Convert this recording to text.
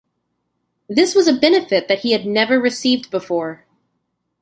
This was a benefit that he had never received before.